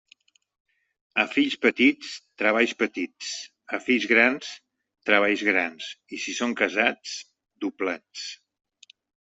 A fills petits, treballs petits; a fills grans, treballs grans, i si són casats, doblats.